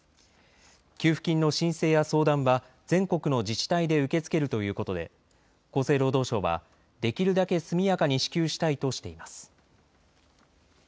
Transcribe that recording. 給付金の申請や相談は全国の自治体で受け付けるということで厚生労働省はできるだけ速やかに支給したいとしています。